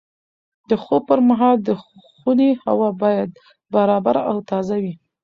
د خوب پر مهال د خونې هوا باید برابره او تازه وي.